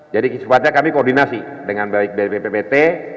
jadi sempatnya kami koordinasi dengan bppt